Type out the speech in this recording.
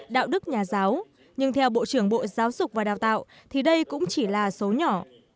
đạo đức nhà giáo nhưng theo bộ trưởng bộ giáo dục và đào tạo thì đây cũng chỉ là số nhỏ